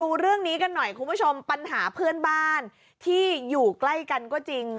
ดูเรื่องนี้กันหน่อยคุณผู้ชมปัญหาเพื่อนบ้านที่อยู่ใกล้กันก็จริง